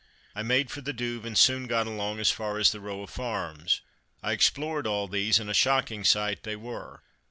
I made for the Douve, and soon got along as far as the row of farms. I explored all these, and a shocking sight they were.